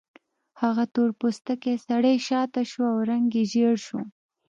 هغه تور پوستکی سړی شاته شو او رنګ یې ژیړ شو